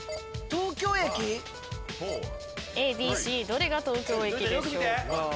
ＡＢＣどれが東京駅でしょう？